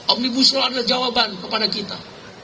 omnibusro adalah jawaban kepada kita